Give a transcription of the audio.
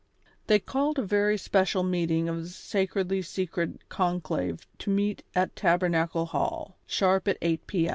They called a very special meeting of the sacredly secret conclave to meet at Tabernacle Hall, sharp at eight r.